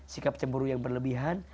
sikap cemburu yang berlebihan